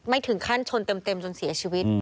ถึงขั้นชนเต็มจนเสียชีวิต